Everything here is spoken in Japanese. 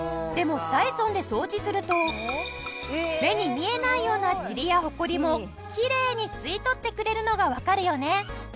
でもダイソンで掃除すると目に見えないようなチリやホコリもきれいに吸い取ってくれるのがわかるよね。